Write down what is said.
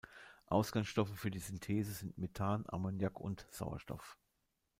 Ausgangsstoffe für die Synthese sind Methan, Ammoniak und Sauerstoff.